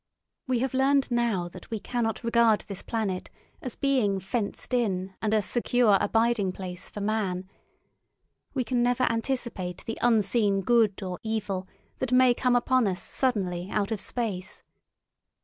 We have learned now that we cannot regard this planet as being fenced in and a secure abiding place for Man; we can never anticipate the unseen good or evil that may come upon us suddenly out of space.